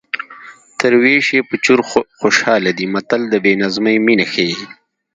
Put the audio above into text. تر وېش یې په چور خوشحاله دی متل د بې نظمۍ مینه ښيي